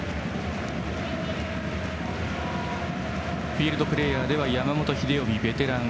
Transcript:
フィールドプレーヤーでは山本英臣、ベテラン。